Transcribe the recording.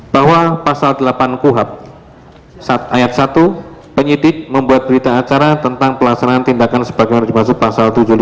bahwa pasal delapan kuhap ayat satu penyidik membuat berita acara tentang pelaksanaan tindakan sebagaimana dimaksud pasal tujuh puluh lima